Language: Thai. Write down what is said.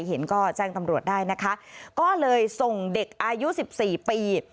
เห็นก็แจ้งตำรวจได้นะคะก็เลยส่งเด็กอายุสิบสี่ปี